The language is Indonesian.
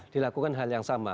dilakukan hal yang sama